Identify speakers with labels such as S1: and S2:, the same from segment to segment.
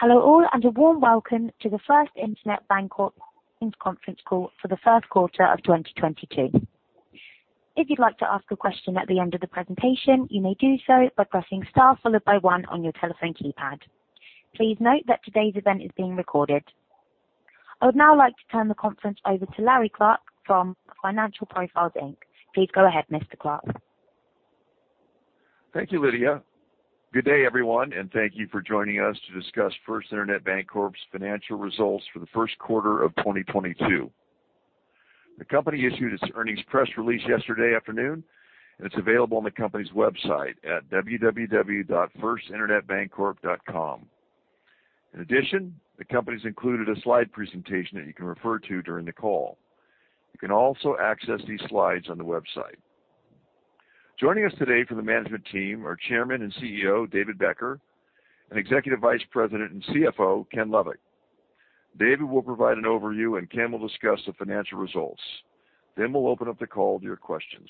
S1: Hello all, and a warm welcome to the First Internet Bancorp earnings conference call for the first quarter of 2022. If you'd like to ask a question at the end of the presentation, you may do so by pressing star followed by one on your telephone keypad. Please note that today's event is being recorded. I would now like to turn the conference over to Larry Clark from Financial Profiles, Inc. Please go ahead, Mr. Clark.
S2: Thank you, Lydia. Good day, everyone, and thank you for joining us to discuss First Internet Bancorp's financial results for the first quarter of 2022. The company issued its earnings press release yesterday afternoon, and it's available on the company's website at www.firstinternetbancorp.com. In addition, the company has included a slide presentation that you can refer to during the call. You can also access these slides on the website. Joining us today from the management team are Chairman and CEO David Becker and Executive Vice President and CFO Ken Lovick. David will provide an overview and Ken will discuss the financial results. We'll open up the call to your questions.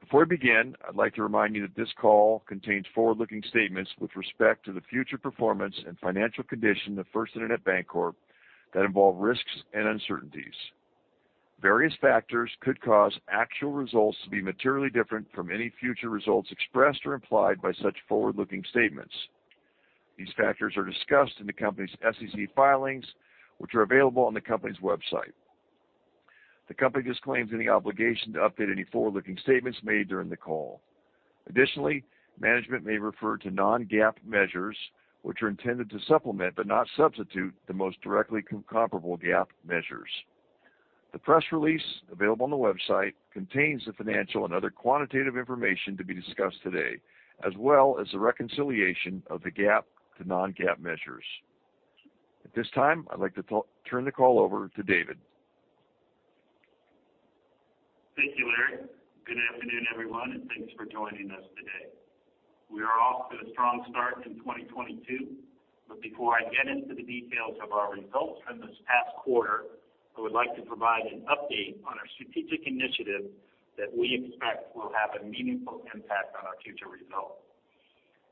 S2: Before we begin, I'd like to remind you that this call contains forward-looking statements with respect to the future performance and financial condition of First Internet Bancorp that involve risks and uncertainties. Various factors could cause actual results to be materially different from any future results expressed or implied by such forward-looking statements. These factors are discussed in the company's SEC filings, which are available on the company's website. The company disclaims any obligation to update any forward-looking statements made during the call. Additionally, management may refer to non-GAAP measures, which are intended to supplement but not substitute the most directly comparable GAAP measures. The press release available on the website contains the financial and other quantitative information to be discussed today, as well as the reconciliation of the GAAP to non-GAAP measures. At this time, I'd like to turn the call over to David.
S3: Thank you, Larry. Good afternoon, everyone, and thanks for joining us today. We are off to a strong start in 2022. Before I get into the details of our results from this past quarter, I would like to provide an update on our strategic initiative that we expect will have a meaningful impact on our future results.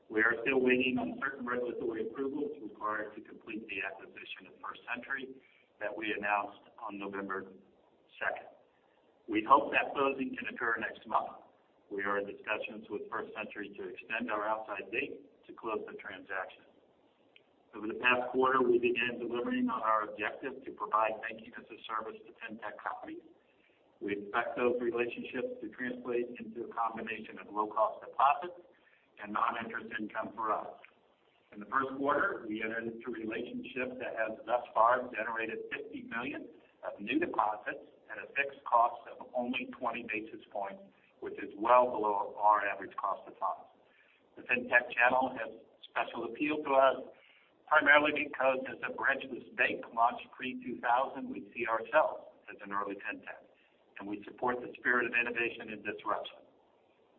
S3: We are still waiting on certain regulatory approvals required to complete the acquisition of First Century that we announced on November second. We hope that closing can occur next month. We are in discussions with First Century to extend our outside date to close the transaction. Over the past quarter, we began delivering on our objective to provide banking-as-a-service to Fintech companies. We expect those relationships to translate into a combination of low-cost deposits and non-interest income for us. In the first quarter, we entered into a relationship that has thus far generated $50 million of new deposits at a fixed cost of only 20 basis points, which is well below our average cost of funds. The Fintech channel has special appeal to us, primarily because as a branchless bank launched pre-2000, we see ourselves as an early Fintech, and we support the spirit of innovation and disruption.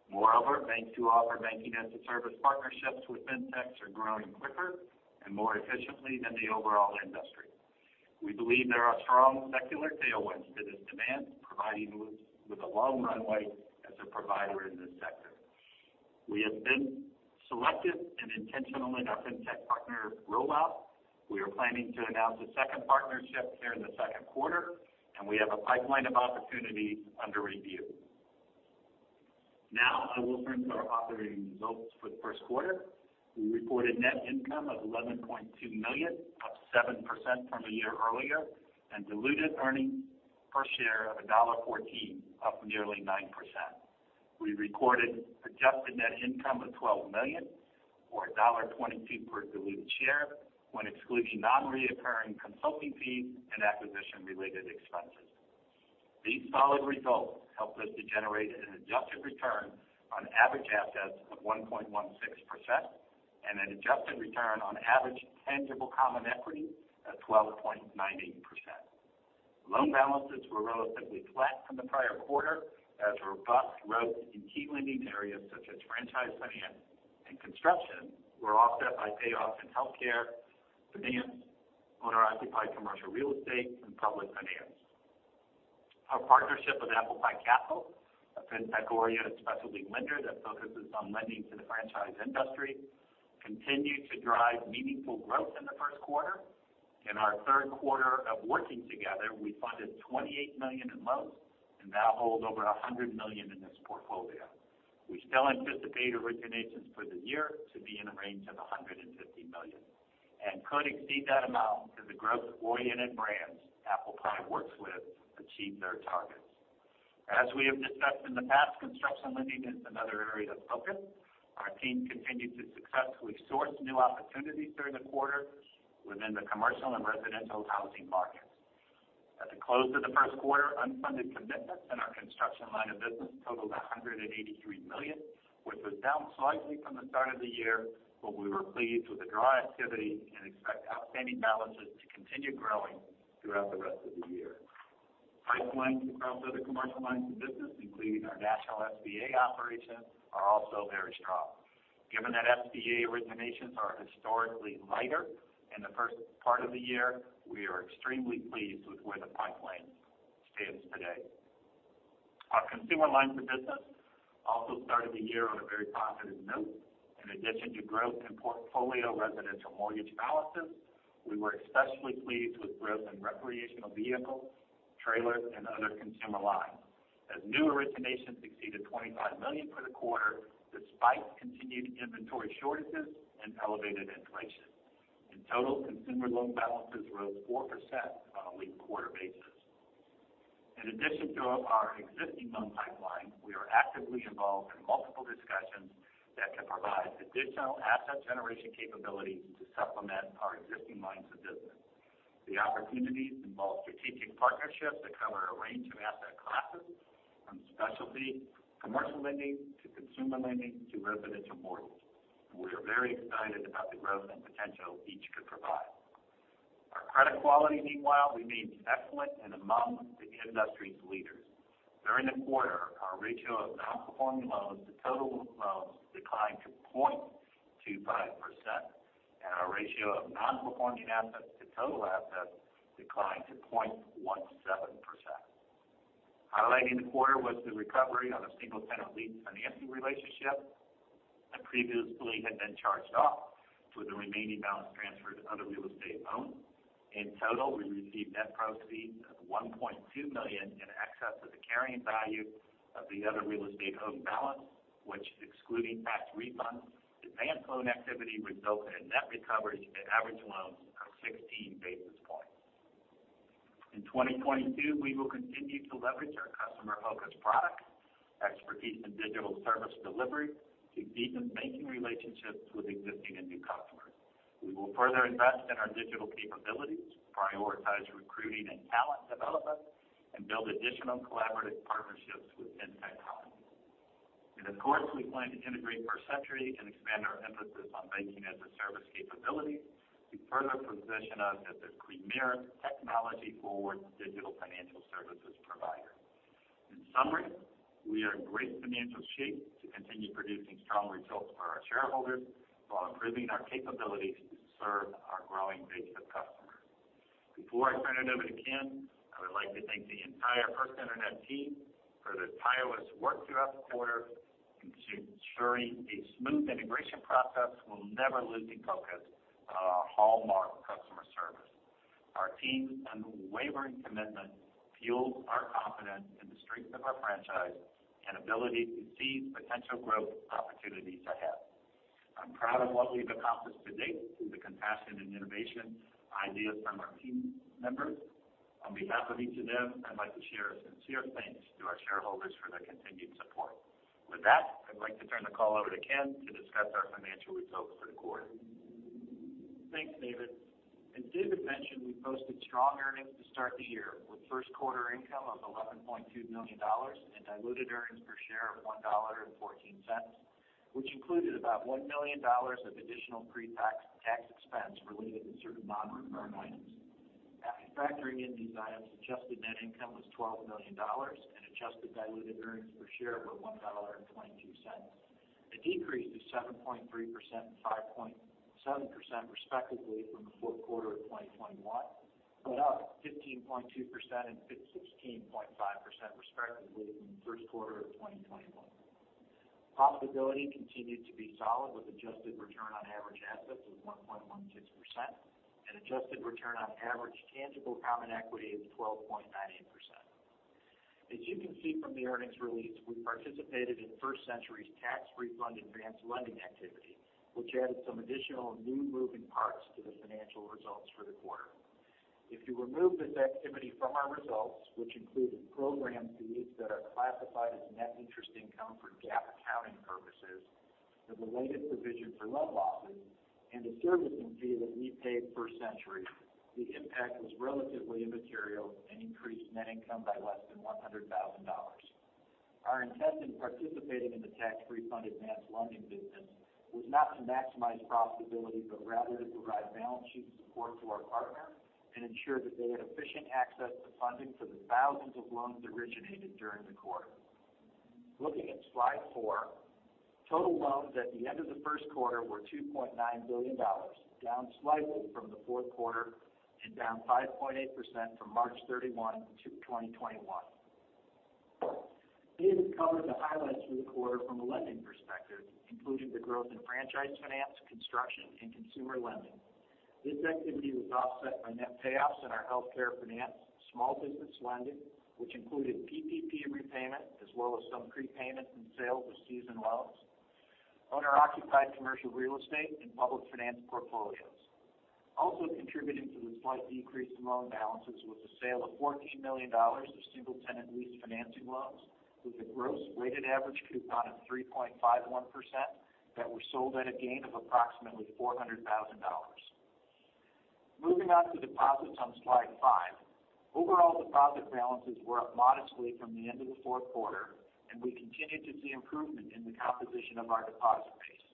S3: Moreover, banks who offer banking-as-a-service partnerships with Fintechs are growing quicker and more efficiently than the overall industry. We believe there are strong secular tailwinds to this demand, providing us with a long runway as a provider in this sector. We have been selective and intentional in our Fintech partner rollout. We are planning to announce a second partnership here in the second quarter, and we have a pipeline of opportunities under review. Now I will turn to our operating results for the first quarter. We reported net income of $11.2 million, up 7% from a year earlier, and diluted earnings per share of $1.14, up nearly 9%. We recorded adjusted net income of $12 million or $1.20 per diluted share when excluding non-recurring consulting fees and acquisition-related expenses. These solid results helped us to generate an adjusted return on average assets of 1.16% and an adjusted return on average tangible common equity at 12.90%. Loan balances were relatively flat from the prior quarter as robust growth in key lending areas such as franchise finance and construction were offset by payoffs in healthcare finance, owner-occupied commercial real estate, and public finance. Our partnership with ApplePie Capital, a fintech-oriented specialty lender that focuses on lending to the franchise industry, continued to drive meaningful growth in the first quarter. In our third quarter of working together, we funded $28 million in loans, and now hold over $100 million in this portfolio. We still anticipate originations for the year to be in the range of $150 million, and could exceed that amount as the growth-oriented brands ApplePie works with achieve their targets. As we have discussed in the past, construction lending is another area of focus. Our team continued to successfully source new opportunities during the quarter within the commercial and residential housing markets. At the close of the first quarter, unfunded commitments in our construction line of business totaled $183 million, which was down slightly from the start of the year, but we were pleased with the draw activity and expect outstanding balances to continue growing throughout the rest of the year. Pipelines across other commercial lines of business, including our national SBA operations, are also very strong. Given that SBA originations are historically lighter in the first part of the year, we are extremely pleased with where the pipeline stands today. Our consumer lines of business also started the year on a very positive note. In addition to growth in portfolio residential mortgage balances, we were especially pleased with growth in recreational vehicles, trailers, and other consumer lines as new originations exceeded $25 million for the quarter despite continued inventory shortages and elevated inflation. In total, consumer loan balances rose 4% on a linked quarter basis. In addition to our existing loan pipeline, we are actively involved in multiple discussions that can provide additional asset generation capabilities to supplement our existing lines of business. The opportunities involve strategic partnerships that cover a range of asset classes from specialty commercial lending to consumer lending to residential mortgage. We are very excited about the growth and potential each could provide. Our credit quality, meanwhile, remains excellent and among the industry's leaders. During the quarter, our ratio of nonperforming loans to total loans declined to 0.25%, and our ratio of nonperforming assets to total assets declined to 0.17%. Highlighting the quarter was the recovery on a single-tenant lease financing relationship that previously had been charged off with the remaining balance transferred to other real estate loans. In total, we received net proceeds of $1.2 million in excess of the carrying value of the other real estate loan balance, which, excluding tax refund advance loan activity, resulted in net recoveries and average loans of 16 basis points. In 2022, we will continue to leverage our customer-focused products, expertise in digital service delivery to deepen banking relationships with existing and new customers. We will further invest in our digital capabilities, prioritize recruiting and talent development, and build additional collaborative partnerships with fintech companies. In the course, we plan to integrate First Century and expand our emphasis on banking-as-a-service capability to further position us as a premier technology-forward digital financial services provider. In summary, we are in great financial shape to continue producing strong results for our shareholders while improving our capabilities to serve our growing base of customers. Before I turn it over to Ken, I would like to thank the entire First Internet team for their tireless work throughout the quarter in ensuring a smooth integration process while never losing focus on our hallmark customer service. Our team's unwavering commitment fuels our confidence in the strength of our franchise and ability to seize potential growth opportunities ahead. I'm proud of what we've accomplished to date through the compassion and innovative ideas from our team members. On behalf of each of them, I'd like to share a sincere thanks to our shareholders for their continued support. With that, I'd like to turn the call over to Ken to discuss our financial results for the quarter.
S4: Thanks, David. As David mentioned, we posted strong earnings to start the year with first quarter income of $11.2 million and diluted earnings per share of $1.14, which included about $1 million of additional pre-tax tax expense related to certain non-recurring items. After factoring in these items, adjusted net income was $12 million and adjusted diluted earnings per share were $1.22. A decrease of 7.3% and 5.7% respectively from the fourth quarter of 2021, but up 15.2% and 16.5% respectively from the first quarter of 2021. Profitability continued to be solid with adjusted return on average assets of 1.16% and adjusted return on average tangible common equity of 12.98%. As you can see from the earnings release, we participated in First Century's tax refund advance lending activity, which added some additional new moving parts to the financial results for the quarter. If you remove this activity from our results, which included program fees that are classified as net interest income for GAAP accounting purposes, the related provision for loan losses and the servicing fee that we paid First Century, the impact was relatively immaterial and increased net income by less than $100,000. Our intent in participating in the tax refund advance lending business was not to maximize profitability, but rather to provide balance sheet support to our partner and ensure that they had efficient access to funding for the thousands of loans originated during the quarter. Looking at slide 4. Total loans at the end of the first quarter were $2.9 billion, down slightly from the fourth quarter and down 5.8% from March 31, 2021. David covered the highlights for the quarter from a lending perspective, including the growth in franchise finance, construction, and consumer lending. This activity was offset by net payoffs in our healthcare finance, small business lending, which included PPP repayment as well as some prepayment and sales of seasoned loans, owner-occupied commercial real estate and public finance portfolios. Also contributing to the slight decrease in loan balances was the sale of $14 million of single-tenant lease financing loans, with a gross weighted average coupon of 3.51% that were sold at a gain of approximately $400,000. Moving on to deposits on slide 5. Overall deposit balances were up modestly from the end of the fourth quarter, and we continued to see improvement in the composition of our deposit base.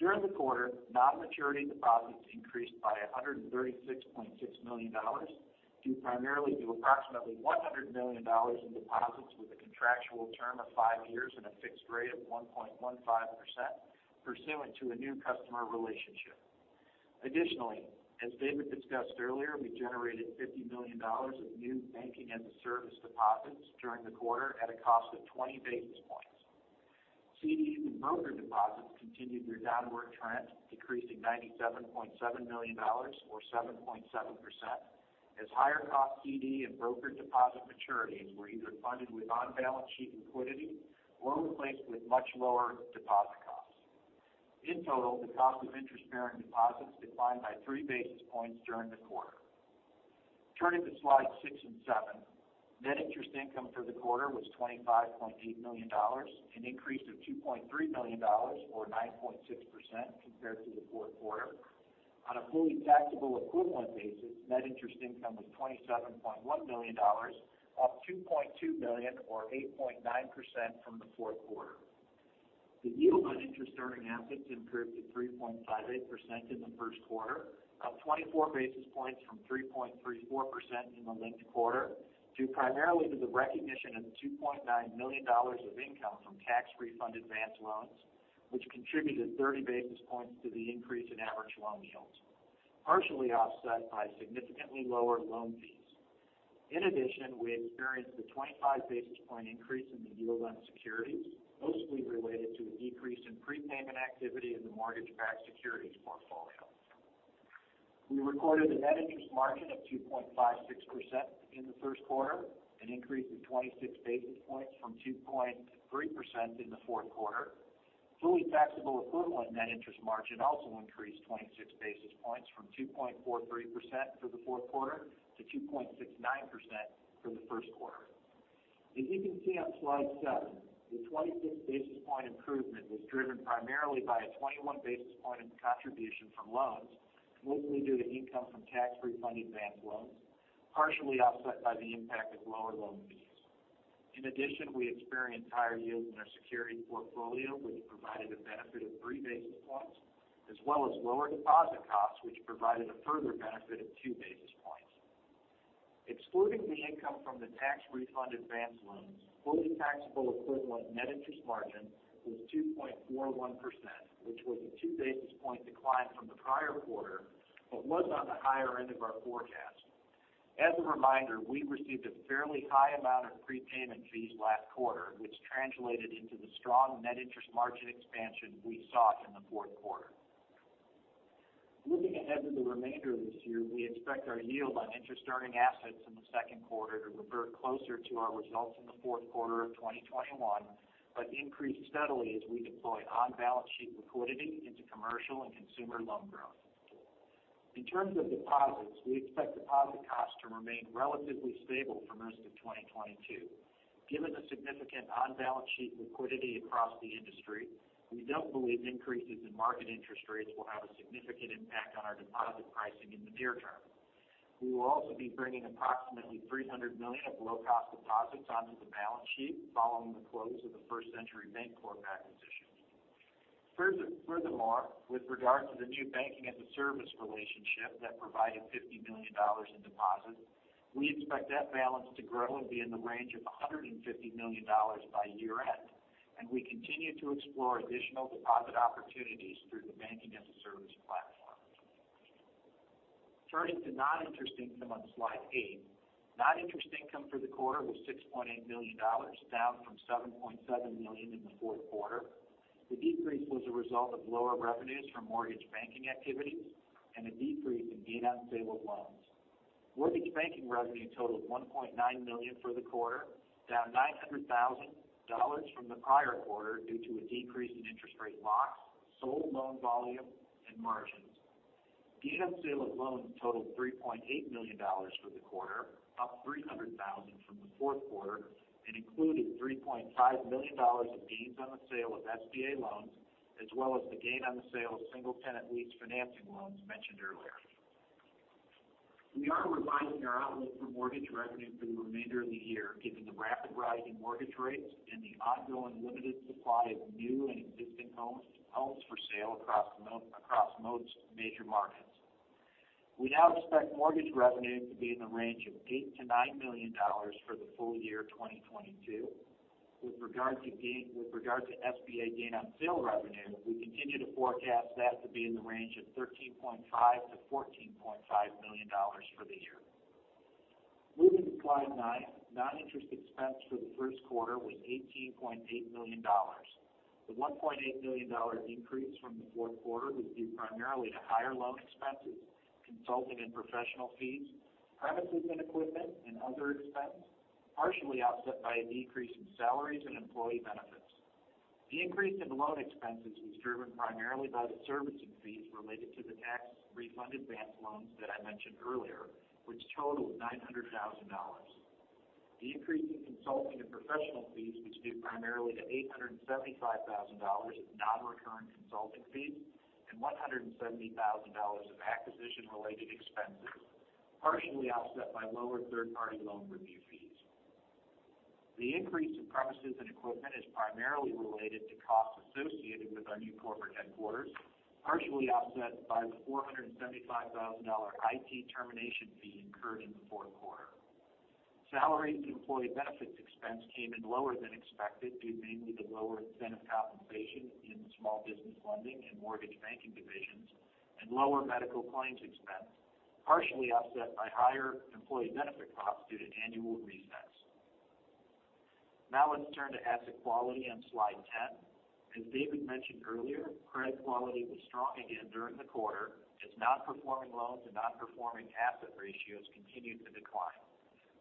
S4: During the quarter, non-maturity deposits increased by $136.6 million due primarily to approximately $100 million in deposits with a contractual term of five years and a fixed rate of 1.15% pursuant to a new customer relationship. Additionally, as David discussed earlier, we generated $50 million of new banking-as-a-service deposits during the quarter at a cost of 20 basis points. CDs and broker deposits continued their downward trend, decreasing $97.7 million or 7.7% as higher cost CD and broker deposit maturities were either funded with on-balance sheet liquidity or replaced with much lower deposit costs. In total, the cost of interest-bearing deposits declined by 3 basis points during the quarter. Turning to Slides 6 and 7. Net interest income for the quarter was $25.8 million, an increase of $2.3 million or 9.6% compared to the fourth quarter. On a fully taxable equivalent basis, net interest income was $27.1 million, up $2.2 million or 8.9% from the fourth quarter. The yield on interest-earning assets improved to 3.58% in the first quarter, up 24 basis points from 3.34% in the linked quarter, due primarily to the recognition of $2.9 million of income from tax refund advance loans, which contributed 30 basis points to the increase in average loan yields, partially offset by significantly lower loan fees. In addition, we experienced a 25 basis point increase in the yield on securities, mostly related to a decrease in prepayment activity in the mortgage-backed securities portfolio. We recorded a net interest margin of 2.56% in the first quarter, an increase of 26 basis points from 2.3% in the fourth quarter. Fully taxable equivalent net interest margin also increased 26 basis points from 2.43% for the fourth quarter to 2.69% for the first quarter. As you can see on Slide 7, the 26 basis point improvement was driven primarily by a 21 basis point contribution from loans, mostly due to income from tax refund advance loans, partially offset by the impact of lower loan fees. In addition, we experienced higher yields in our security portfolio, which provided a benefit of 3 basis points, as well as lower deposit costs, which provided a further benefit of 2 basis points. Excluding the income from the tax refund advance loans, fully taxable equivalent net interest margin was 2.41%, which was a 2 basis point decline from the prior quarter, but was on the higher end of our forecast. As a reminder, we received a fairly high amount of prepayment fees last quarter, which translated into the strong net interest margin expansion we saw in the fourth quarter. Moving ahead to the remainder of this year, we expect our yield on interest-earning assets in the second quarter to revert closer to our results in the fourth quarter of 2021, but increase steadily as we deploy on-balance sheet liquidity into commercial and consumer loan growth. In terms of deposits, we expect deposit costs to remain relatively stable for most of 2022. Given the significant on-balance sheet liquidity across the industry, we don't believe increases in market interest rates will have a significant impact on our deposit pricing in the near term. We will also be bringing approximately $300 million of low-cost deposits onto the balance sheet following the close of the First Century Bancorp acquisition. Furthermore, with regard to the new banking-as-a-service relationship that provided $50 million in deposits, we expect that balance to grow and be in the range of $150 million by year-end, and we continue to explore additional deposit opportunities through the banking-as-a-service platform. Turning to non-interest income on Slide 8. Non-interest income for the quarter was $6.8 million, down from $7.7 million in the fourth quarter. The decrease was a result of lower revenues from mortgage banking activities and a decrease in gain on sale of loans. Mortgage banking revenue totaled $1.9 million for the quarter, down $900,000 from the prior quarter due to a decrease in interest rate locks, sold loan volume, and margins. Gain on sale of loans totaled $3.8 million for the quarter, up $300,000 from the fourth quarter, and included $3.5 million of gains on the sale of SBA loans, as well as the gain on the sale of single-tenant lease financing loans mentioned earlier. We are revising our outlook for mortgage revenue for the remainder of the year, given the rapid rise in mortgage rates and the ongoing limited supply of new and existing homes for sale across most major markets. We now expect mortgage revenue to be in the range of $8 million-$9 million for the full year 2022. With regard to SBA gain on sale revenue, we continue to forecast that to be in the range of $13.5 million-$14.5 million for the year. Moving to Slide 9. Non-interest expense for the first quarter was $18.8 million. The $1.8 million increase from the fourth quarter was due primarily to higher loan expenses, consulting and professional fees, premises and equipment and other expenses, partially offset by a decrease in salaries and employee benefits. The increase in loan expenses was driven primarily by the servicing fees related to the tax refund advance loans that I mentioned earlier, which totaled $900,000. The increase in consulting and professional fees was due primarily to $875 thousand of non-recurring consulting fees and $170 thousand of acquisition-related expenses, partially offset by lower third-party loan review fees. The increase in premises and equipment is primarily related to costs associated with our new corporate headquarters, partially offset by the $475 thousand IT termination fee incurred in the fourth quarter. Salaries and employee benefits expense came in lower than expected due mainly to lower incentive compensation in the small business lending and mortgage banking divisions and lower medical claims expense, partially offset by higher employee benefit costs due to annual resets. Now let's turn to asset quality on slide 10. As David mentioned earlier, credit quality was strong again during the quarter as nonperforming loans and nonperforming asset ratios continued to decline.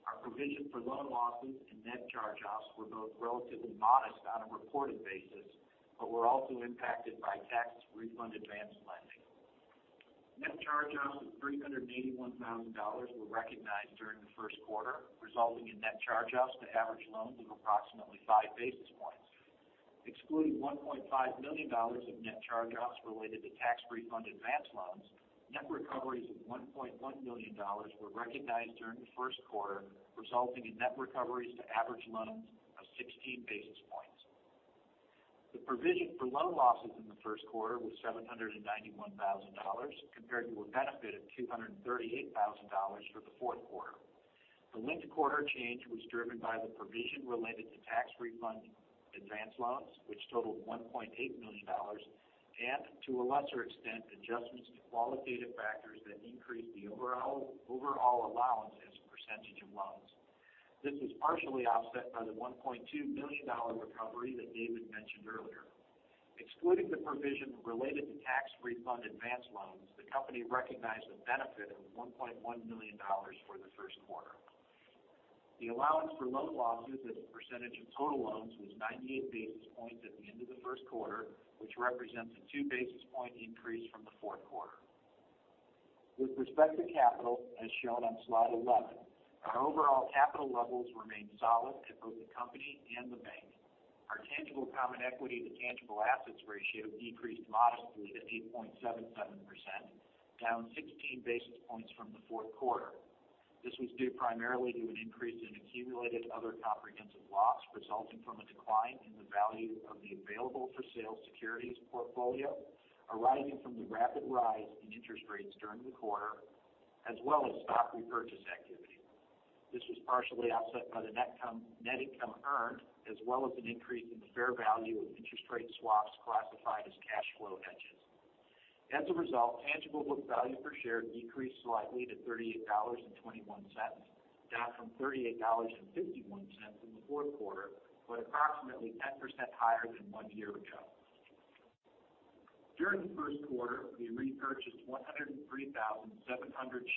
S4: Our provision for loan losses and net charge-offs were both relatively modest on a reported basis, but were also impacted by tax refund advance lending. Net charge-offs of $381 thousand were recognized during the first quarter, resulting in net charge-offs to average loans of approximately 5 basis points. Excluding $1.5 million of net charge-offs related to tax refund advance loans, net recoveries of $1.1 million were recognized during the first quarter, resulting in net recoveries to average loans of 16 basis points. The provision for loan losses in the first quarter was $791 thousand compared to a benefit of $238 thousand for the fourth quarter. The linked quarter change was driven by the provision related to tax refund advance loans, which totaled $1.8 million, and to a lesser extent, adjustments to qualitative factors that increased the overall allowance as a percentage of loans. This was partially offset by the $1.2 million recovery that David mentioned earlier. Excluding the provision related to tax refund advance loans, the company recognized a benefit of $1.1 million for the first quarter. The allowance for loan losses as a percentage of total loans was 98 basis points at the end of the first quarter, which represents a 2 basis point increase from the fourth quarter. With respect to capital, as shown on slide 11, our overall capital levels remained solid at both the company and the bank. Our tangible common equity to tangible assets ratio decreased modestly to 8.77%, down 16 basis points from the fourth quarter. This was due primarily to an increase in accumulated other comprehensive loss resulting from a decline in the value of the available-for-sale securities portfolio, arising from the rapid rise in interest rates during the quarter, as well as stock repurchase activity. This was partially offset by the net income earned, as well as an increase in the fair value of interest rate swaps classified as cash flow hedges. As a result, tangible book value per share decreased slightly to $38.21, down from $38.51 in the fourth quarter, but approximately 10% higher than one year ago. During the first quarter, we repurchased 103,700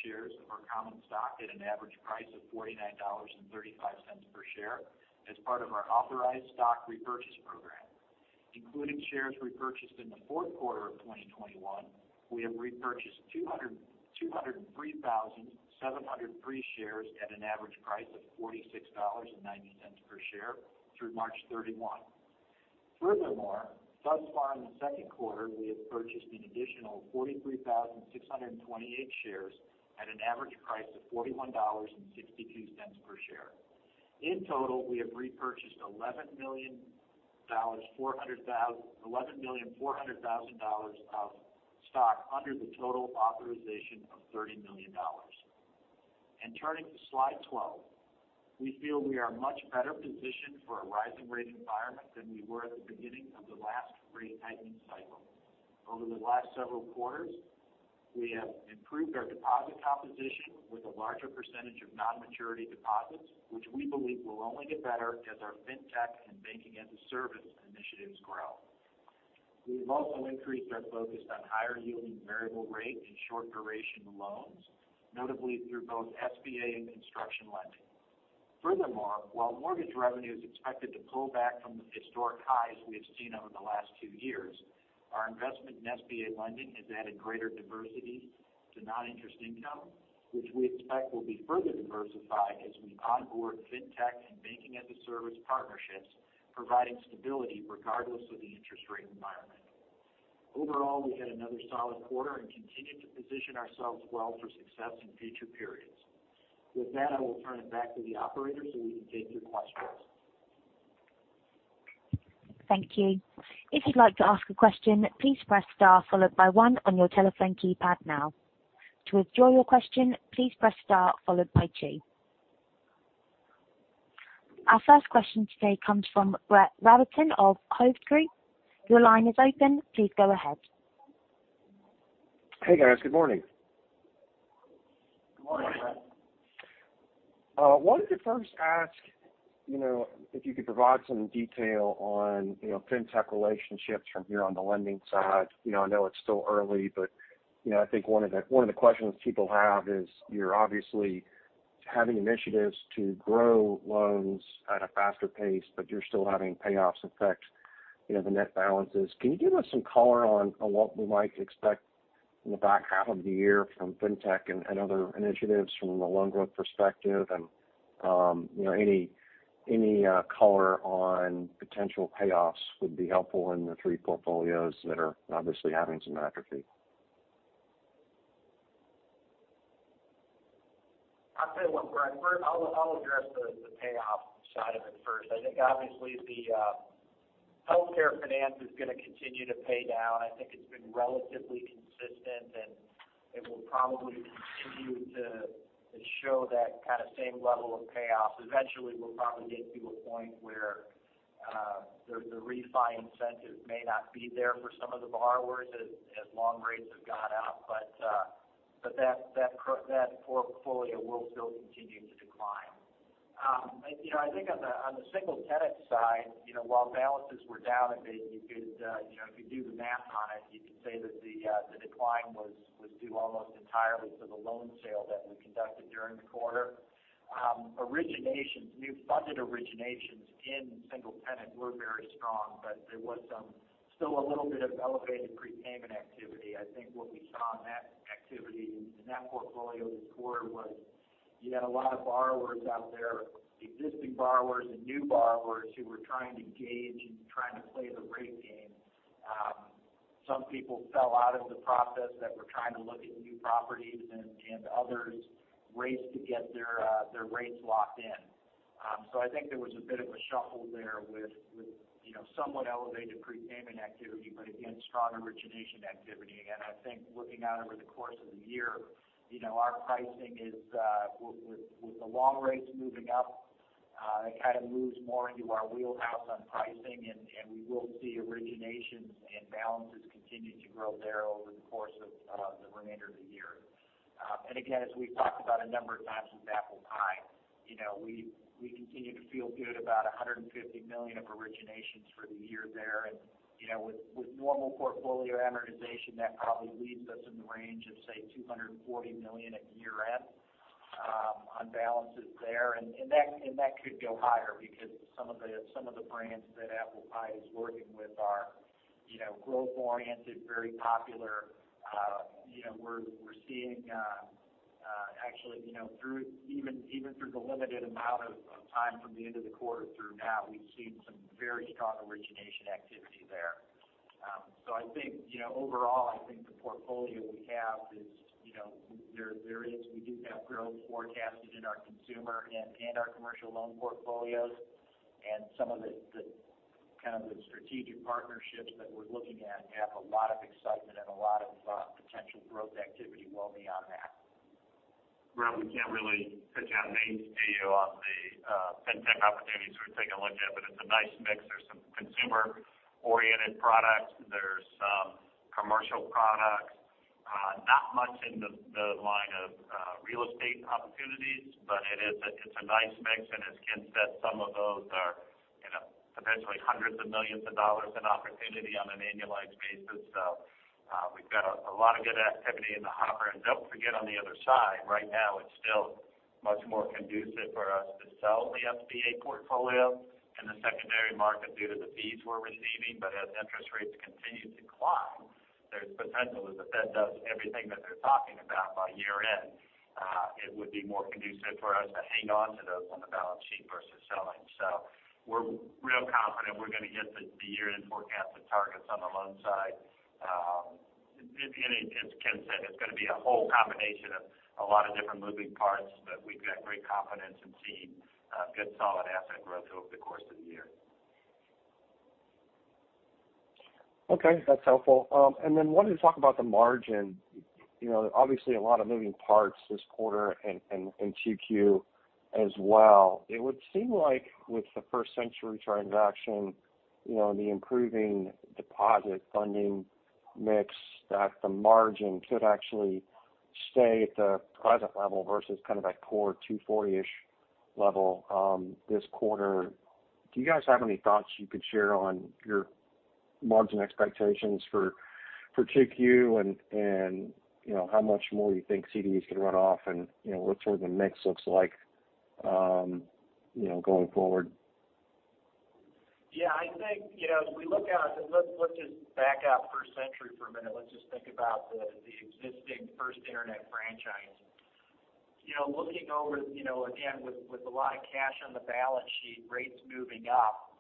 S4: shares of our common stock at an average price of $49.35 per share as part of our authorized stock repurchase program. Including shares repurchased in the fourth quarter of 2021, we have repurchased 203,703 shares at an average price of $46.90 per share through March 31. Furthermore, thus far in the second quarter, we have purchased an additional 43,628 shares at an average price of $41.62 per share. In total, we have repurchased $11.4 million of stock under the total authorization of $30 million. Turning to slide 12. We feel we are much better positioned for a rising rate environment than we were at the beginning of the last rate tightening cycle. Over the last several quarters, we have improved our deposit composition with a larger percentage of non-maturity deposits, which we believe will only get better as our fintech and banking-as-a-service initiatives grow. We've also increased our focus on higher-yielding variable rate and short duration loans, notably through both SBA and construction lending. Furthermore, while mortgage revenue is expected to pull back from the historic highs we have seen over the last two years, our investment in SBA lending has added greater diversity to non-interest income, which we expect will be further diversified as we onboard fintech and banking-as-a-service partnerships, providing stability regardless of the interest rate environment. Overall, we had another solid quarter and continued to position ourselves well for success in future periods. With that, I will turn it back to the operator, so we can take your questions.
S1: Our first question today comes from Brett Rabatin of Hovde Group. Your line is open. Please go ahead.
S5: Hey, guys. Good morning.
S4: Good morning, Brett.
S5: I wanted to first ask, you know, if you could provide some detail on, you know, fintech relationships from here on the lending side. You know, I know it's still early, but, you know, I think one of the questions people have is you're obviously having initiatives to grow loans at a faster pace, but you're still having payoffs affect, you know, the net balances. Can you give us some color on what we might expect in the back half of the year from fintech and other initiatives from a loan growth perspective? You know, any color on potential payoffs would be helpful in the three portfolios that are obviously having some atrophy.
S4: I'll tell you what, Brett. First, I'll address the payoff side of it first. I think, obviously, healthcare finance is going to continue to pay down. I think it's been relatively consistent, and it will probably continue to show that kind of same level of payoff. Eventually, we'll probably get to a point where the refi incentive may not be there for some of the borrowers as long rates have gone up. That portfolio will still continue to decline. You know, I think on the single-tenant side, you know, while balances were down a bit, you could, you know, if you do the math on it, you could say that the decline was due almost entirely to the loan sale that we conducted during the quarter. Originations, new funded originations in single tenant were very strong, but there was some still a little bit of elevated prepayment activity. I think what we saw in that activity in that portfolio this quarter was, you had a lot of borrowers out there, existing borrowers and new borrowers who were trying to gauge and trying to play the rate game. Some people fell out of the process that were trying to look at new properties and others raced to get their their rates locked in. I think there was a bit of a shuffle there with you know, somewhat elevated prepayment activity, but again, strong origination activity. I think looking out over the course of the year, you know, our pricing is with the long rates moving up, it kind of moves more into our wheelhouse on pricing, and we will see originations and balances continue to grow there over the course of the remainder of the year. Again, as we've talked about a number of times with Applepie, you know, we continue to feel good about $150 million of originations for the year there. You know, with normal portfolio amortization, that probably leaves us in the range of, say, $240 million at year-end on balances there. That could go higher because some of the brands that Apple Pie is working with are, you know, growth oriented, very popular. You know, we're seeing, actually, you know, even through the limited amount of time from the end of the quarter through now, we've seen some very strong origination activity there. So I think, you know, overall, I think the portfolio we have is, you know, there. We do have growth forecasted in our consumer and our commercial loan portfolios. Some of the kind of strategic partnerships that we're looking at have a lot of excitement and a lot of potential growth activity well beyond that.
S3: Graham, we can't really pitch out names to you on the fintech opportunities we're taking a look at, but it's a nice mix. There's some consumer-oriented products. There's some commercial products. Not much in the line of real estate opportunities, but it's a nice mix. As Ken said, some of those are, you know, potentially $hundreds of millions in opportunity on an annualized basis. We've got a lot of good activity in the hopper. Don't forget, on the other side, right now, it's still much more conducive for us to sell the SBA portfolio in the secondary market due to the fees we're receiving. As interest rates continue to climb, there's potential, as the Fed does everything that they're talking about by year-end, it would be more conducive for us to hang on to those on the balance sheet versus selling. We're real confident we're going to hit the year-end forecasted targets on the loan side. As Ken said, it's going to be a whole combination of a lot of different moving parts, but we've got great confidence in seeing good solid asset growth over the course of the year.
S5: Okay. That's helpful. Wanted to talk about the margin. You know, obviously, a lot of moving parts this quarter and in 2Q as well. It would seem like with the First Century transaction, you know, the improving deposit funding mix, that the margin could actually stay at the present level versus kind of that core 2.40-ish level this quarter. Do you guys have any thoughts you could share on your margin expectations for 2Q? And you know, how much more you think CDs could run off? And you know, what sort of the mix looks like you know, going forward?
S4: Yeah. I think, you know, as we look out, let's just back out First Century for a minute. Let's just think about the existing First Internet franchise. You know, looking over, you know, again, with a lot of cash on the balance sheet, rates moving up,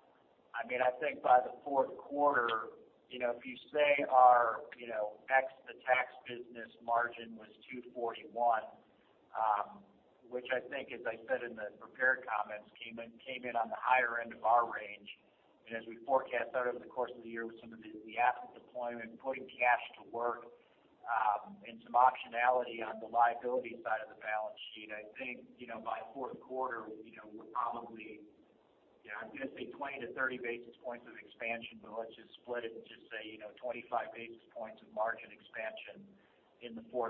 S4: I mean, I think by the fourth quarter, you know, if you say our, you know, ex the tax business margin was 2.41%, which I think, as I said in the prepared comments, came in on the higher end of our range. As we forecast out over the course of the year with some of the asset deployment, putting cash to work, and some optionality on the liability side of the balance sheet, I think, you know, by fourth quarter, you know, we're probably, you know, I'm going to say 20-30 basis points of expansion, but let's just split it and just say, you know, 25 basis points of margin expansion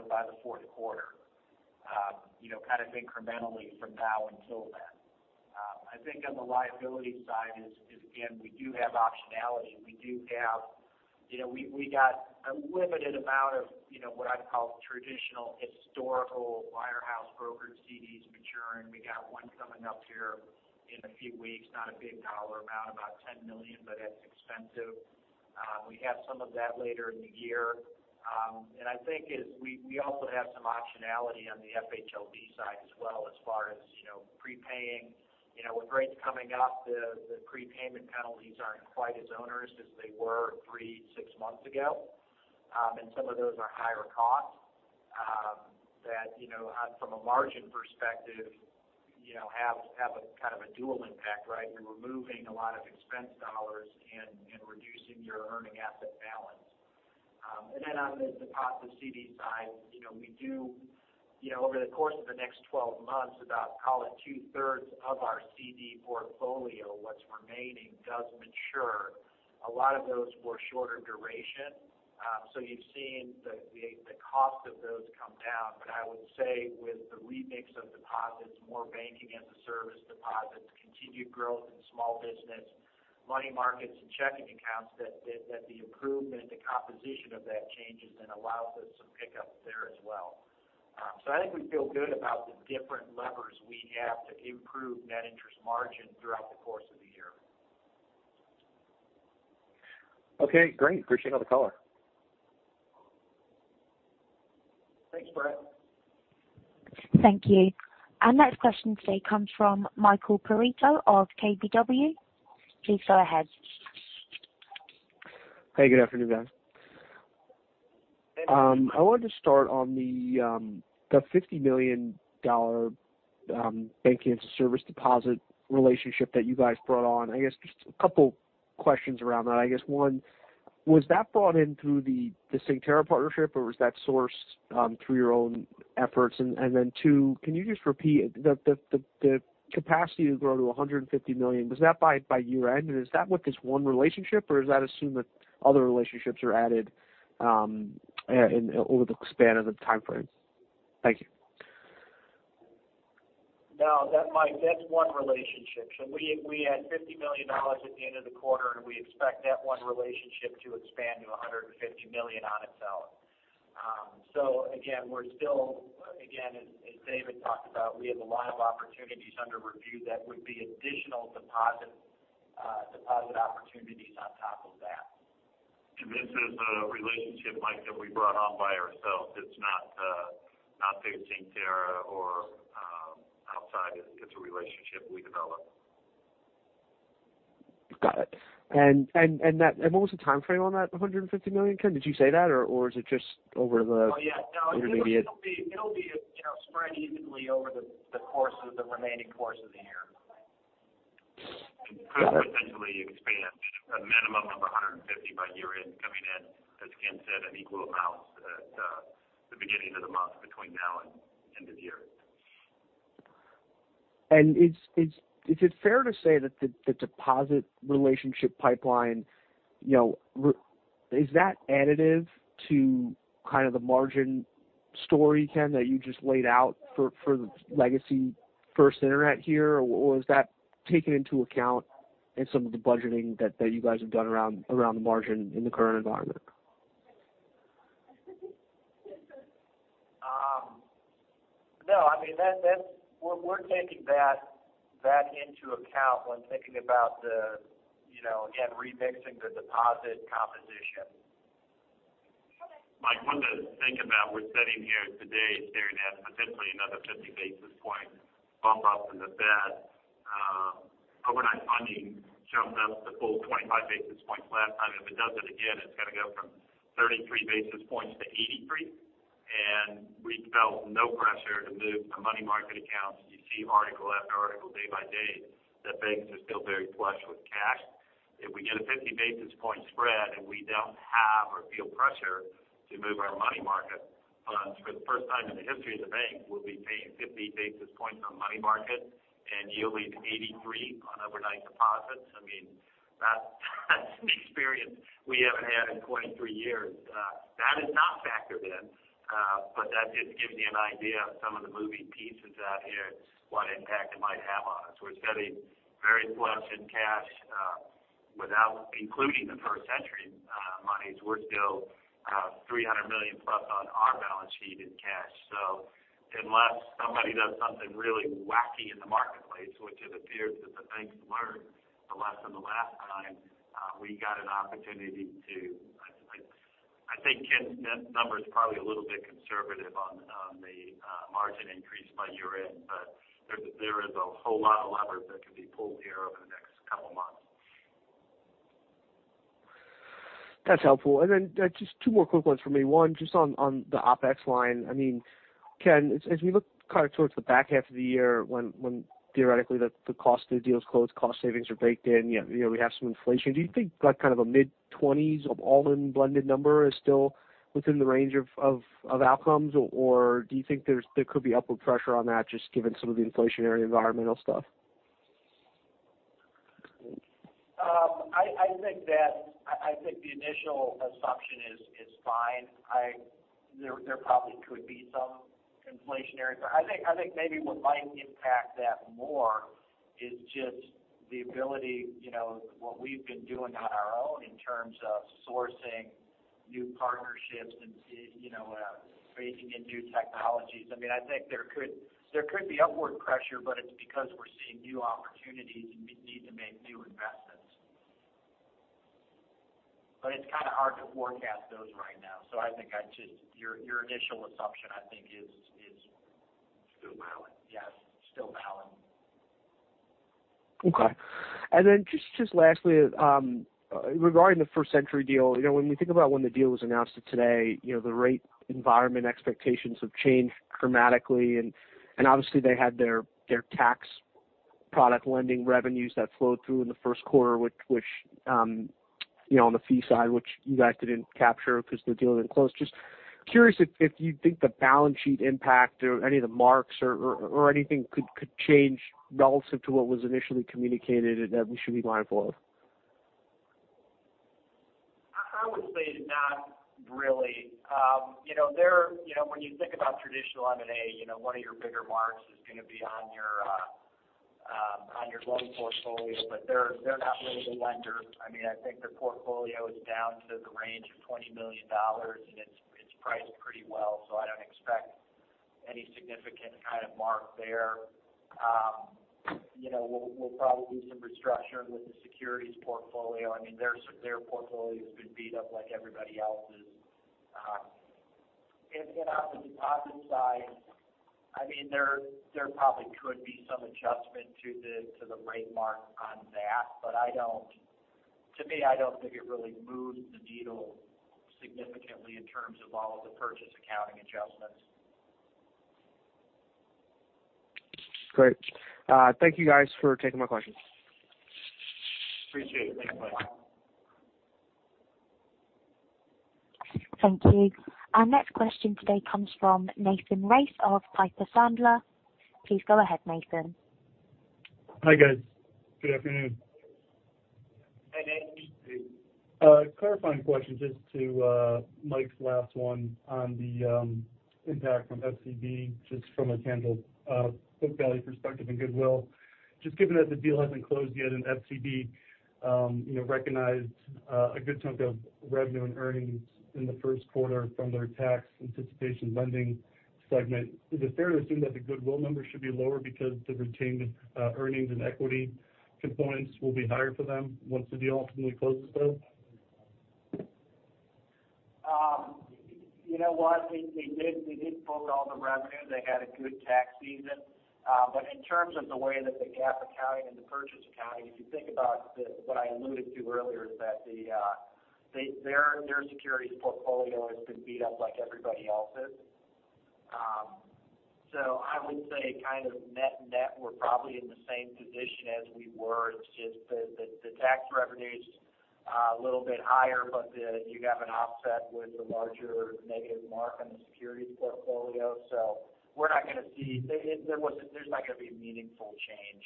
S4: by the fourth quarter, you know, kind of incrementally from now until then. I think on the liability side is, again, we do have optionality. We do have, you know, we got a limited amount of, you know, what I'd call traditional historical wirehouse brokered CDs maturing. We got one coming up here in a few weeks, not a big dollar amount, about $10 million, but it's expensive. We have some of that later in the year. I think as we also have some optionality on the FHLB side as well, as far as, you know, prepaying. You know, with rates coming up, the prepayment penalties aren't quite as onerous as they were 3, 6 months ago. Some of those are higher cost. That, you know, from a margin perspective, you know, have a kind of a dual impact, right? You're removing a lot of expense dollars and reducing your earning asset balance. On the deposit CD side, you know, we do over the course of the next 12 months, about call it two-thirds of our CD portfolio, what's remaining does mature. A lot of those were shorter duration. You've seen the cost of those come down. I would say with the remix of deposits, more banking-as-a-service deposits, continued growth in small business, money markets and checking accounts, that the improvement, the composition of that changes and allows us some pickup there as well. I think we feel good about the different levers we have to improve net interest margin throughout the course of the year.
S5: Okay, great. Appreciate it on the call.
S4: Thanks, Brett.
S1: Thank you. Our next question today comes from Michael Perito of KBW. Please go ahead.
S6: Hey, good afternoon, guys.
S4: Hey.
S6: I wanted to start on the $50 million banking-as-a-service deposit relationship that you guys brought on. I guess just a couple questions around that. I guess one, was that brought in through the Synctera partnership, or was that sourced through your own efforts? And then two, can you just repeat the capacity to grow to $150 million, was that by year-end? And is that with this one relationship or is that assuming other relationships are added over the span of the time frame? Thank you.
S4: No, that, Mike, that's one relationship. We had $50 million at the end of the quarter, and we expect that one relationship to expand to $150 million on its own. Again, we're still, as David talked about, we have a lot of opportunities under review that would be additional deposit opportunities on top of that.
S3: This is a relationship, Mike, that we brought on by ourselves. It's not through Syntera or outside. It's a relationship we developed.
S6: Got it. What was the time frame on that $150 million, Ken? Did you say that or is it just over the-
S4: Oh, yeah.
S6: -intermediate?
S4: No. It'll be, you know, spread evenly over the course of the remaining course of the year.
S3: It could potentially expand a minimum of 150 by year-end, coming in, as Ken said, an equal amount at the beginning of the month between now and end of the year.
S6: Is it fair to say that the deposit relationship pipeline, you know, is that additive to kind of the margin story, Ken, that you just laid out for the legacy First Internet here? Or is that taken into account in some of the budgeting that you guys have done around the margin in the current environment?
S4: No. I mean, we're taking that into account when thinking about, you know, again, remixing the deposit composition.
S3: Mike, one to think about, we're sitting here today staring at potentially another 50 basis point bump up in the Federal Reserve. Overnight funding jumped up the full 25 basis points last time. If it does it again, it's going to go from 33 basis points to 83, and we felt no pressure to move our money market accounts. You see article after article day by day that banks are still very flush with cash. If we get a 50 basis point spread and we don't have or feel pressure to move our money market funds for the first time in the history of the bank, we'll be paying 50 basis points on money market and yielding 83 on overnight deposits. I mean, that's an experience we haven't had in 23 years. That is not factored in, but that just gives you an idea of some of the moving pieces out here, what impact it might have on us. We're sitting very flush in cash, without including the First Century monies. We're still $300 million plus on our balance sheet in cash. Unless somebody does something really wacky in the marketplace, which it appears that the banks learned the lesson the last time, we got an opportunity to I think Ken's net number is probably a little bit conservative on the margin increase by year-end, but there is a whole lot of levers that can be pulled here over the next couple of months.
S6: That's helpful. Just two more quick ones for me. One, just on the OpEx line. I mean, Ken, as we look kind of towards the back half of the year when theoretically the cost of the deal is closed, cost savings are baked in, you know, we have some inflation. Do you think like kind of a mid-20s% all-in blended number is still within the range of outcomes? Or do you think there could be upward pressure on that just given some of the inflationary environmental stuff?
S4: I think the initial assumption is fine. There probably could be some inflation. But I think maybe what might impact that more is just the ability, you know, what we've been doing on our own in terms of sourcing new partnerships and, you know, phasing in new technologies. I mean, I think there could be upward pressure, but it's because we're seeing new opportunities and we need to make new investments. But it's kind of hard to forecast those right now. So I think I'd just your initial assumption I think is.
S3: Still valid.
S4: Yes.
S6: Okay. Just lastly, regarding the First Century deal, you know, when we think about when the deal was announced to today, you know, the rate environment expectations have changed dramatically. Obviously they had their tax product lending revenues that flowed through in the first quarter, which you know on the fee side which you guys didn't capture because the deal didn't close. Just curious if you think the balance sheet impact or any of the marks or anything could change relative to what was initially communicated and that we should be mindful of?
S4: I would say not really. You know, when you think about traditional M&A, you know, one of your bigger marks is going to be on your loan portfolio. They're not really a lender. I mean, I think their portfolio is down to the range of $20 million, and it's priced pretty well. I don't expect any significant kind of mark there. You know, we'll probably do some restructuring with the securities portfolio. I mean, their portfolio has been beat up like everybody else's. On the deposit side, I mean, there probably could be some adjustment to the rate mark on that. To me, I don't think it really moves the needle significantly in terms of all of the purchase accounting adjustments.
S6: Great. Thank you guys for taking my questions.
S4: Appreciate it. Thanks, Mike.
S1: Thank you. Our next question today comes from Nathan Race of Piper Sandler. Please go ahead, Nathan.
S7: Hi, guys. Good afternoon.
S4: Hi, Nathan.
S7: A clarifying question just to Mike's last one on the impact from FCB, just from a tangible book value perspective and goodwill. Just given that the deal hasn't closed yet and FCB, you know, recognized a good chunk of revenue and earnings in the first quarter from their tax anticipation lending segment, is it fair to assume that the goodwill number should be lower because the retained earnings and equity components will be higher for them once the deal ultimately closes, though?
S4: You know what? They did book all the revenue. They had a good tax season. In terms of the way that the GAAP accounting and the purchase accounting, if you think about what I alluded to earlier, is that their securities portfolio has been beat up like everybody else's. I would say kind of net-net, we're probably in the same position as we were. It's just the tax revenue's a little bit higher, but you have an offset with the larger negative mark on the securities portfolio. We're not going to see. There's not going to be a meaningful change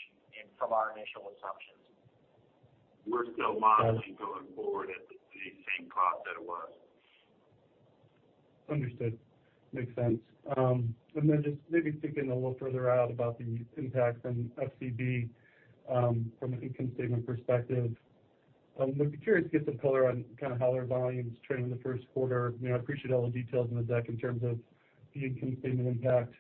S4: from our initial assumptions.
S3: We're still modeling going forward at the same cost that it was.
S7: Understood. Makes sense. Just maybe thinking a little further out about the impact from FCB, from an income statement perspective, would be curious to get some color on kind of how their volume's trending in the first quarter. You know, I appreciate all the details in the deck in terms of the income statement impact,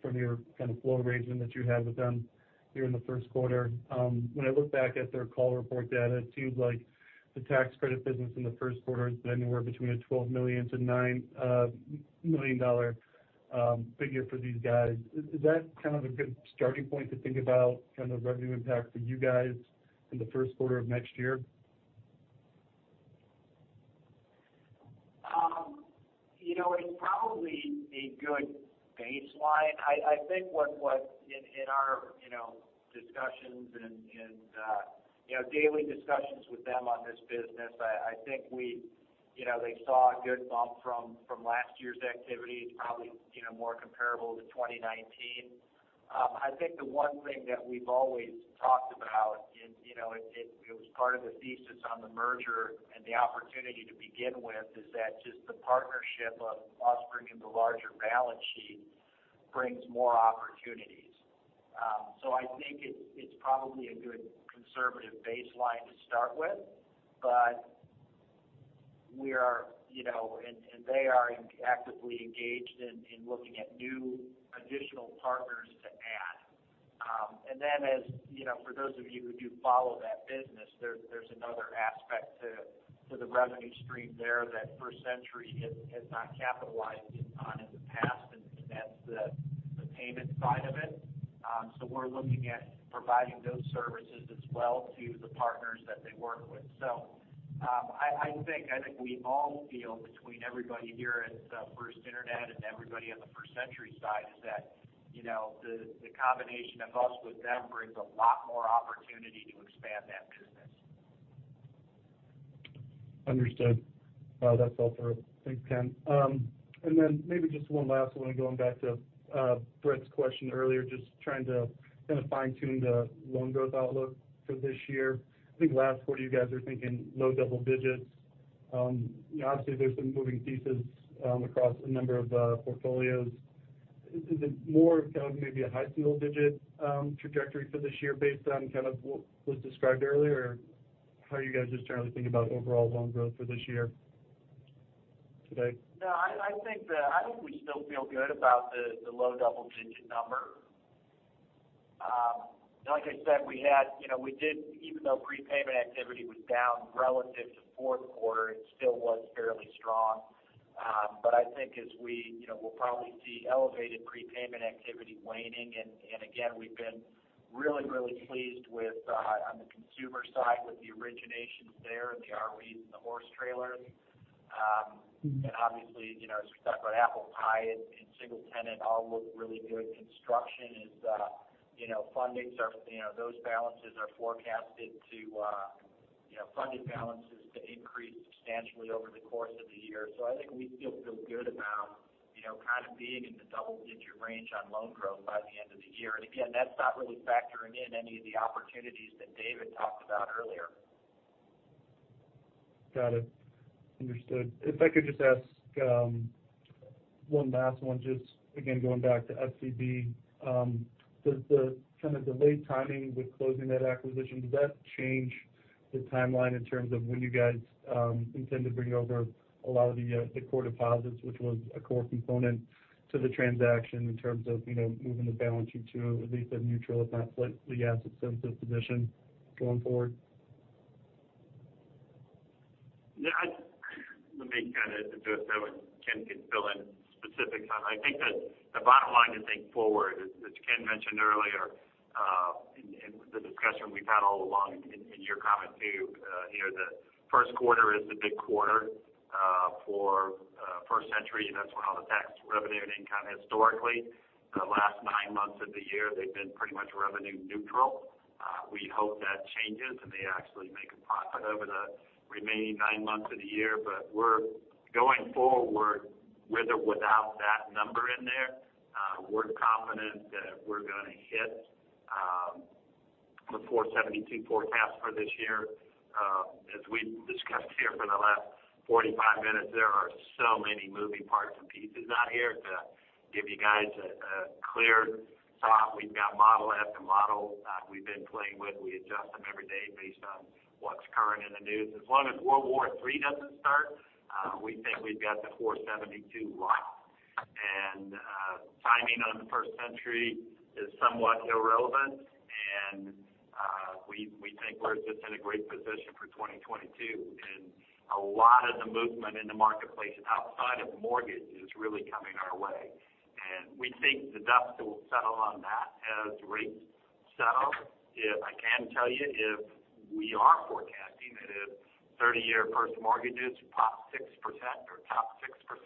S7: from your kind of floor arrangement that you had with them during the first quarter. When I look back at their call report data, it seems like the tax credit business in the first quarter has been anywhere between $12 million-$9 million figure for these guys. Is that kind of a good starting point to think about kind of the revenue impact for you guys in the first quarter of next year?
S4: You know, it's probably a good baseline. I think what in our you know, discussions and you know, daily discussions with them on this business, I think we you know, they saw a good bump from last year's activity to probably you know, more comparable to 2019. I think the one thing that we've always talked about in you know, it was part of the thesis on the merger and the opportunity to begin with is that just the partnership of U.S. Bank and the larger balance sheet brings more opportunities. I think it's probably a good conservative baseline to start with, but we are you know, and they are actively engaged in looking at new additional partners to add. As you know, for those of you who do follow that business, there's another aspect to the revenue stream there that First Century has not capitalized it on in the past, and that's the payment side of it. We're looking at providing those services as well to the partners that they work with. I think we all feel between everybody here at First Internet and everybody on the First Century side is that, you know, the combination of us with them brings a lot more opportunity to expand that business.
S7: Understood. That's all for it. Thanks, Ken. Maybe just one last one going back to Brett's question earlier, just trying to kind of fine tune the loan growth outlook for this year. I think last quarter you guys were thinking low double digits. You know, obviously there's been moving pieces across a number of portfolios. Is it more kind of maybe a high single digit trajectory for this year based on kind of what was described earlier? How are you guys just generally thinking about overall loan growth for this year today?
S4: No, I think we still feel good about the low double digit number. Like I said, we had, you know, we did, even though prepayment activity was down relative to fourth quarter, it still was fairly strong.
S3: I think as we, you know, we'll probably see elevated prepayment activity waning. Again, we've been really pleased with on the consumer side with the originations there and the RVs and the horse trailers. Obviously, you know, as we talked about Apple Pie and single tenant all look really good. Construction is, you know, fundings are, you know, those balances are forecasted to, you know, funding balances to increase substantially over the course of the year. I think we feel good about, you know, kind of being in the double-digit range on loan growth by the end of the year. Again, that's not really factoring in any of the opportunities that David talked about earlier.
S7: Got it. Understood. If I could just ask, one last one, just again, going back to FCB. Does the kind of delayed timing with closing that acquisition, does that change the timeline in terms of when you guys intend to bring over a lot of the core deposits, which was a core component to the transaction in terms of, you know, moving the balance sheet to at least a neutral, if not slightly asset sensitive position going forward?
S3: Yeah, let me kind of address that one. Ken can fill in specifics on that. I think that the bottom line to think forward is, as Ken mentioned earlier, in the discussion we've had all along in your comment too, you know, the first quarter is the big quarter for First Century. That's when all the tax revenue and income historically. The last nine months of the year, they've been pretty much revenue neutral. We hope that changes, and they actually make a profit over the remaining nine months of the year. We're going forward, with or without that number in there, we're confident that we're gonna hit the $4.72 forecast for this year. As we've discussed here for the last 45 minutes, there are so many moving parts and pieces out here to give you guys a clear thought. We've got model after model we've been playing with. We adjust them every day based on what's current in the news. As long as World War III doesn't start, we think we've got the 472 locked. Timing on the First Century is somewhat irrelevant. We think we're just in a great position for 2022. A lot of the movement in the marketplace outside of mortgage is really coming our way. We think the dust will settle on that as rates settle. I can tell you if we are forecasting it, if 30-year fixed mortgages pop 6% or top 6%,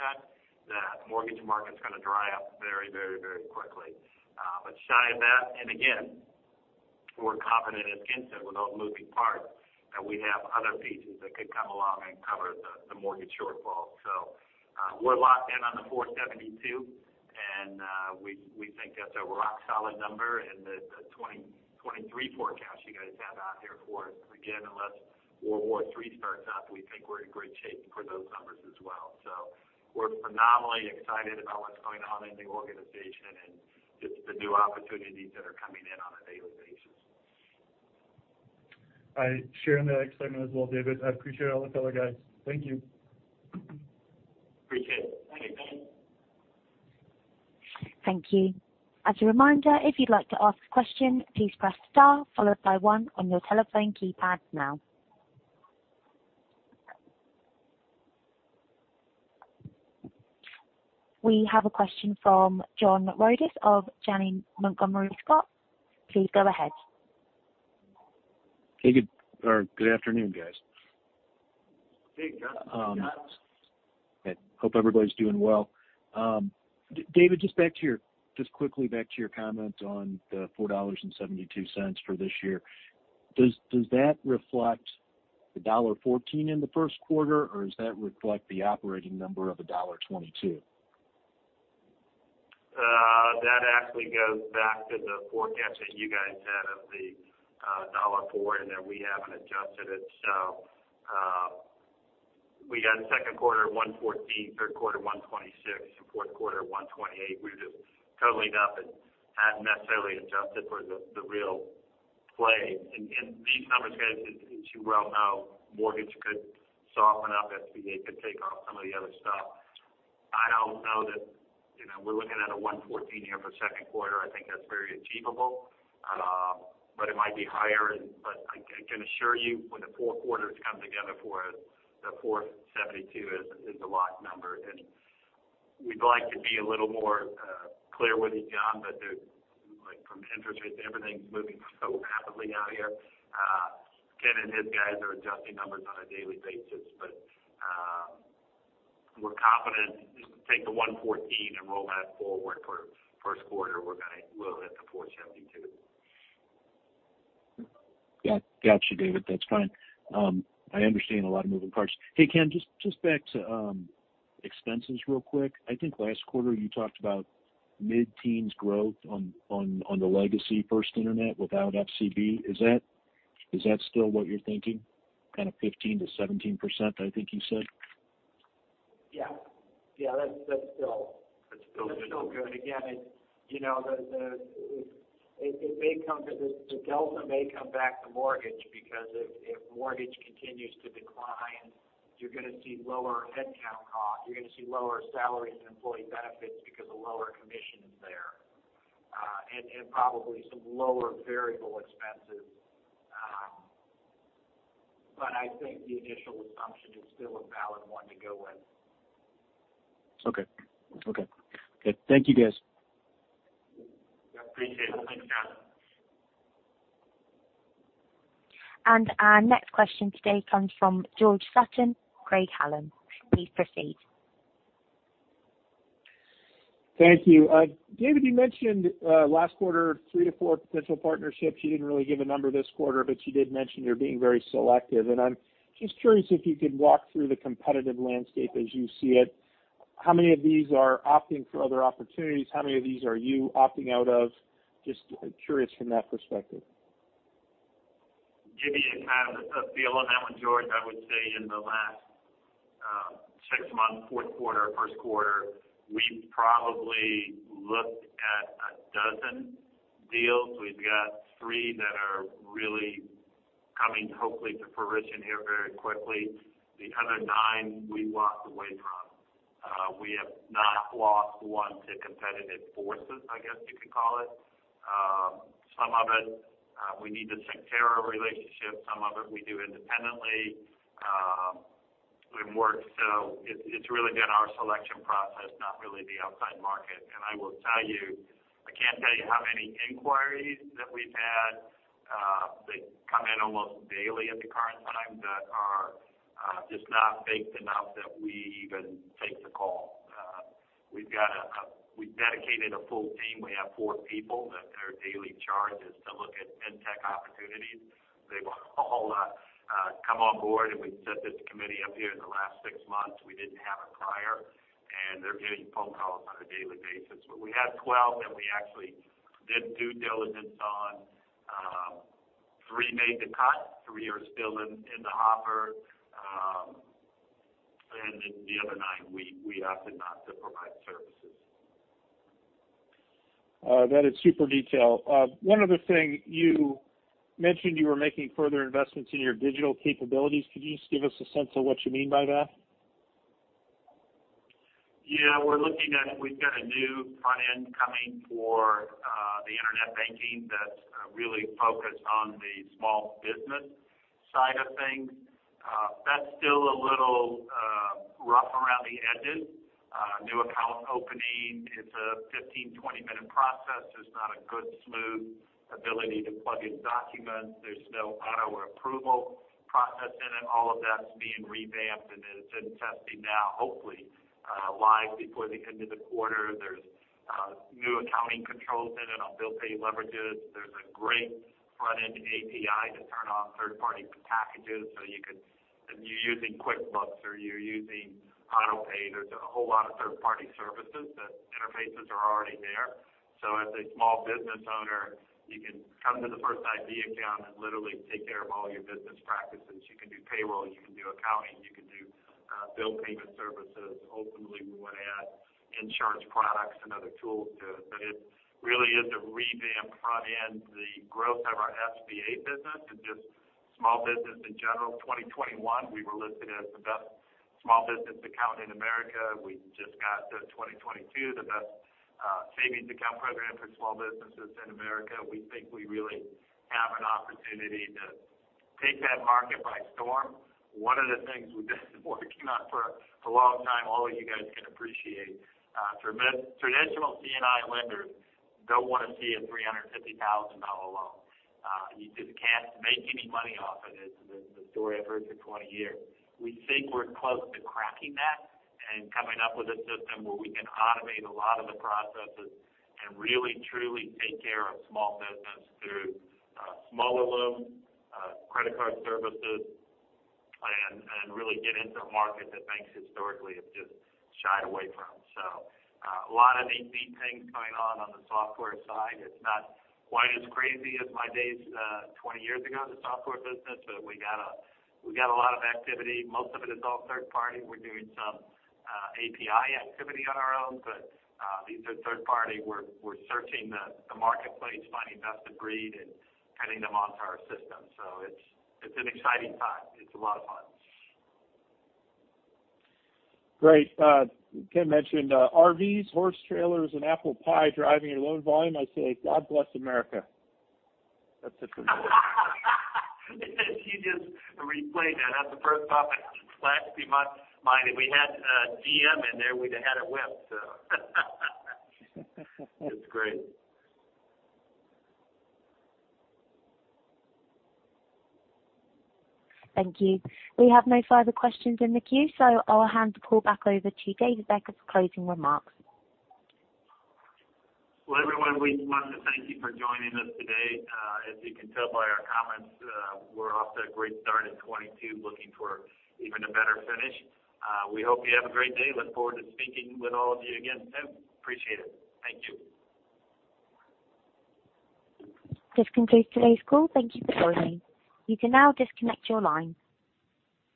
S3: that mortgage market's gonna dry up very, very, very quickly. But shy of that, and again, we're confident, as Ken said, with all the moving parts, that we have other pieces that could come along and cover the mortgage shortfall. We're locked in on the 4.72, and we think that's a rock solid number. The 2023 forecast you guys have out there for us, again, unless World War III starts up, we think we're in great shape for those numbers as well. We're phenomenally excited about what's going on in the organization, and it's the new opportunities that are coming in on a daily basis.
S7: I share in that excitement as well, David. I appreciate all the color, guys. Thank you.
S3: Appreciate it.
S7: Thank you.
S1: Thank you. As a reminder, if you'd like to ask a question, please press star followed by one on your telephone keypad now. We have a question from John Rodis of Janney Montgomery Scott. Please go ahead.
S8: Hey, good afternoon, guys.
S3: Hey, John.
S8: Hope everybody's doing well. David, just quickly back to your comment on the $4.72 for this year. Does that reflect the $1.14 in the first quarter, or does that reflect the operating number of a $1.22?
S3: That actually goes back to the forecast that you guys had of the $1.04, and then we haven't adjusted it. We had second quarter $1.14, third quarter $1.26, and fourth quarter $1.28. We've just totally not had necessarily adjusted for the real play. These numbers, guys, as you well know, mortgage could soften up, SBA could take off some of the other stuff. I don't know that, you know, we're looking at a $1.14 here for second quarter. I think that's very achievable. It might be higher, but I can assure you when the four quarters come together for us, the $4.72 is the locked number. We'd like to be a little more clear with you, John, but there's like from interest rates, everything's moving so rapidly out here. Ken and his guys are adjusting numbers on a daily basis. We're confident. Take the $1.14 and roll that forward for first quarter, we'll hit the $4.72.
S8: Got you, David. That's fine. I understand a lot of moving parts. Hey, Ken, just back to expenses real quick. I think last quarter you talked about mid-teens growth on the legacy First Internet without FCB. Is that still what you're thinking? Kind of 15%-17%, I think you said.
S4: Yeah, that's still- That's still good. That's still good. Again, it's, you know, it may come to this. The delta may come back to mortgage because if mortgage continues to decline, you're gonna see lower headcount costs, you're gonna see lower salaries and employee benefits because the lower commission is there. Probably some lower variable expenses.
S3: I think the initial assumption is still a valid one to go with.
S8: Okay. Thank you, guys.
S3: Appreciate it. Thanks, John.
S1: Our next question today comes from George Sutton, Craig-Hallum. Please proceed.
S9: Thank you. David, you mentioned last quarter 3-4 potential partnerships. You didn't really give a number this quarter, but you did mention you're being very selective. I'm just curious if you could walk through the competitive landscape as you see it. How many of these are opting for other opportunities? How many of these are you opting out of? Just curious from that perspective.
S3: give you a kind of a feel on that one, George. I would say in the last six months, fourth quarter, first quarter, we've probably looked at a dozen deals. We've got three that are really coming hopefully to fruition here very quickly. The other nine we walked away from. We have not lost one to competitive forces, I guess, you could call it. Some of it we need the Syntera relationship. Some of it we do independently. It's really been our selection process, not really the outside market. I will tell you, I can't tell you how many inquiries that we've had that come in almost daily at the current time that are just not baked enough that we even take the call. We've dedicated a full team. We have 4 people that their daily charge is to look at FinTech opportunities. They've all come on board, and we set this committee up here in the last 6 months. We didn't have it prior. They're getting phone calls on a daily basis. We had 12 that we actually did due diligence on. 3 made the cut, 3 are still in the hopper. The other 9 we opted not to provide services.
S9: That is super detailed. One other thing. You mentioned you were making further investments in your digital capabilities. Could you just give us a sense of what you mean by that?
S3: Yeah. We've got a new front end coming for the internet banking that's really focused on the small business side of things. That's still a little rough around the edges. New account opening is a 15-20-minute process. There's not a good, smooth ability to plug in documents. There's no auto approval process in it. All of that's being revamped, and it's in testing now, hopefully live before the end of the quarter. There's new accounting controls in it on bill pay leverages. There's a great front end API to turn on third-party packages. So you could, if you're using QuickBooks or you're using auto pay, there's a whole lot of third-party services that interfaces are already there. As a small business owner, you can come to the First IB account and literally take care of all your business practices. You can do payroll, you can do accounting, you can do bill payment services. Ultimately, we want to add insurance products and other tools to it. It really is a revamped front end. The growth of our SBA business and just small business in general. In 2021, we were listed as the best small business account in America. We just got the 2022, the best savings account program for small businesses in America. We think we really have an opportunity to take that market by storm. One of the things we've been working on for a long time, all of you guys can appreciate, traditional C&I lenders don't want to see a $350,000 loan. You just can't make any money off of it. That's the story I've heard for 20 years. We think we're close to cracking that and coming up with a system where we can automate a lot of the processes and really truly take care of small business through smaller loans, credit card services, and really get into a market that banks historically have just shied away from. A lot of neat things going on the software side. It's not quite as crazy as my days 20 years ago in the software business. We got a lot of activity. Most of it is all third party. We're doing some API activity on our own. These are third party. We're searching the marketplace, finding best of breed and cutting them onto our system. It's an exciting time. It's a lot of fun.
S9: Great. Ken mentioned RVs, horse trailers, and ApplePie driving your loan volume. I say God bless America. That's it for me.
S3: If you just replayed that's the first comment in the last three months. Mine. If we had GM in there, we'd have had a win. That's great.
S1: Thank you. We have no further questions in the queue, so I'll hand the call back over to David Becker for closing remarks.
S3: Well, everyone, we want to thank you for joining us today. As you can tell by our comments, we're off to a great start in 2022, looking for even a better finish. We hope you have a great day. Look forward to speaking with all of you again soon. Appreciate it. Thank you.
S1: This concludes today's call. Thank you for joining. You can now disconnect your line.